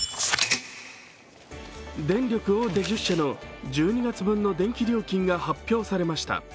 電力大手１０社の１２月分の電気料金が発表されました。